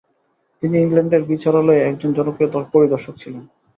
তিনি ইংল্যান্ডের বিচারালয়ে একজন জনপ্রিয় পরিদর্শক ছিলেন।